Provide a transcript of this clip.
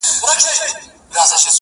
• چي نه یې ګټه نه زیان رسېږي..